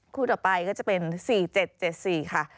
คู่ต่อไปก็จะเป็น๔๗๗๔ค่ะ